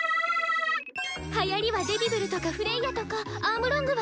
はやりはデビブルとかフレイアとかアームロングはやめて。